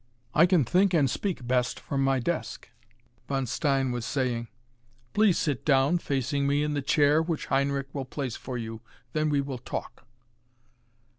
"I can think and speak best from my desk," Von Stein was saying. "Please sit down facing me in the chair which Heinrich will place for you. Then we will talk."